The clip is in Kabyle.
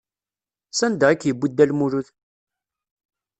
Sanda i k-yewwi Dda Lmulud?